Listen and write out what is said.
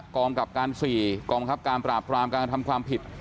กรมกราบการ๔กรมคับการปราบความการทำความผิด